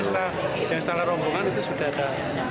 tapi yang setelah rombongan itu sudah ada